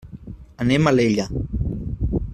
Anem a Alella.